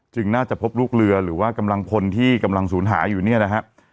น่าจะพบลูกเรือหรือว่ากำลังพลที่กำลังสูญหายอยู่เนี่ยนะฮะ